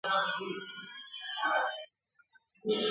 نه شهید او نه زخمي د چا په یاد وو ,